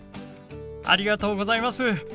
ありがとうございます。